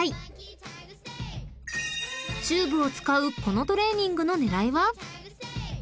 ［チューブを使うこのトレーニングの狙いは？］